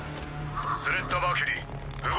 スレッタ・マーキュリー不合格。